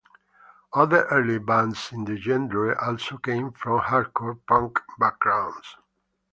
Other early bands in the genre also came from hardcore punk backgrounds.